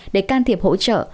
để can thiệp hỗ trợ